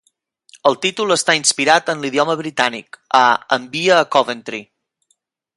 El títol està inspirat en l'idioma britànic, a "Envia a Coventry".